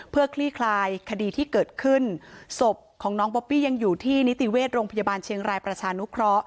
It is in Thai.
เพื่อคลี่คลายคดีที่เกิดขึ้นศพของน้องบ๊อปปี้ยังอยู่ที่นิติเวชโรงพยาบาลเชียงรายประชานุเคราะห